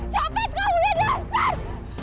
cepat kamu ya dasar